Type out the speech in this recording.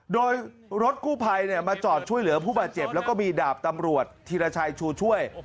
โดยรถกู้ภัยมาจอดช่วยเหลือผู้บาดเจ็บแล้วก็มีดาบตำรวจธีรชัยชูช่วย